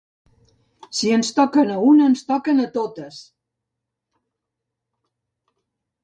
Si ens toquen a una, ens toquen a totes!